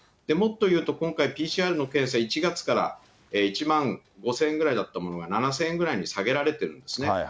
もっと言うと、今回ＰＣＲの検査、１月から１万５０００ぐらいだったものが７０００円ぐらいに下げられているんですね。